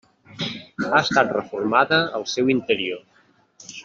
Ha estat reformada al seu interior.